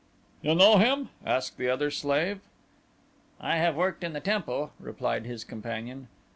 "You know him?" asked the other slave. "I have worked in the temple," replied his companion.